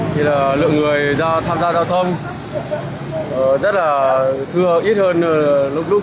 thì là lượng người tham gia giao thông rất là thưa ít hơn lúc